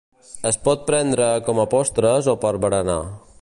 Es pot prendre com a postres o per berenar.